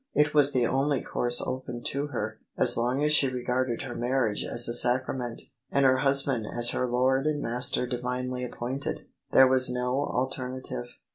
It was the only course open to her, as long as she regarded her marriage as a sacrament, and her husband as her lord and master divinely appointed : THE SUBJECTION there was no alternative.